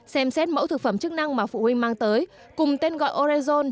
xem xét mẫu thực phẩm chức năng mà phụ huynh mang tới cùng tên gọi orezon